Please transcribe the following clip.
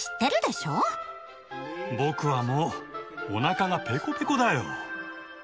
僕はもうおなかがぺこぺこだよ。